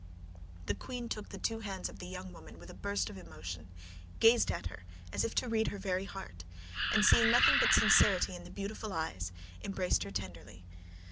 The queen took the two hands of the young woman with a burst of emotion, gazed at her as if to read her very heart, and, seeing nothing but sincerity in her beautiful eyes, embraced her tenderly.